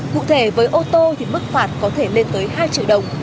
cụ thể với ô tô thì mức phạt có thể lên tới hai triệu đồng